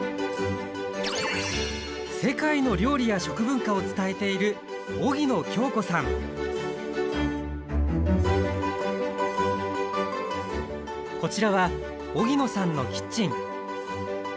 世界の料理や食文化を伝えているこちらは荻野さんのキッチン。